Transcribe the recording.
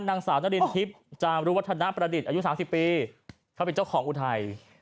นางสาวนารินทิพย์จามรุวัฒนประดิษฐ์อายุ๓๐ปีเขาเป็นเจ้าของอุทัย